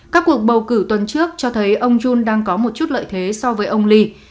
các cuộc bầu cử tuần trước cho thấy ông jun đang có một chút lợi thế so với ông lee